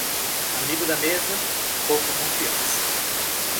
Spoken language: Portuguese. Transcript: Amigo da mesa, pouca confiança.